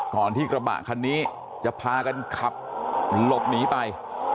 ที่กระบะคันนี้จะพากันขับหลบหนีไป